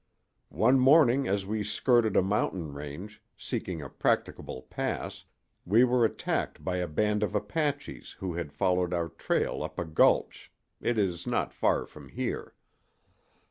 "One morning as we skirted a mountain range, seeking a practicable pass, we were attacked by a band of Apaches who had followed our trail up a gulch—it is not far from here.